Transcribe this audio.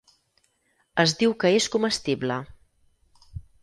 Es diu que és comestible.